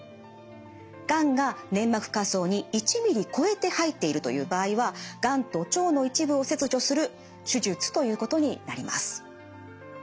がんが粘膜下層に１ｍｍ超えて入っているという場合はがんと腸の一部を切除する手術ということになります。